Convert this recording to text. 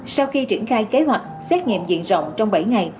sau khi triển khai kế hoạch xét nghiệm diện rộng trong bảy ngày